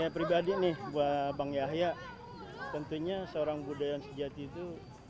buat saya pribadi nih buat bang yahya tentunya seorang budaya yang sejati itu